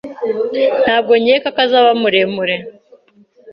Ntabwo nkeka ko azaba muremure.